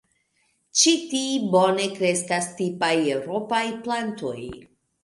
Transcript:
Ĉi ti bone kreskas tipaj eŭropaj plantoj.